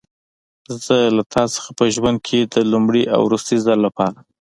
زه له تا نه په ژوند کې د لومړي او وروستي ځل لپاره.